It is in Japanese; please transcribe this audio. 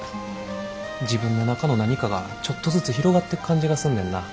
自分の中の何かがちょっとずつ広がってく感じがすんねんな。